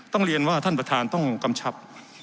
ต้องเรียนว่าท่านประธานต้องกำชับ